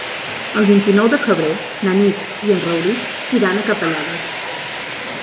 El vint-i-nou de febrer na Nit i en Rauric iran a Capellades.